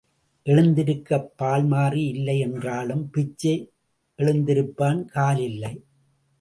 எழுந்திருக்கப் பால் மாறி இல்லை என்றாளாம் பிச்சை, எழுந்திருப்பான் கால் இல்லை.